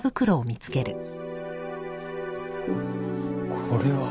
これは。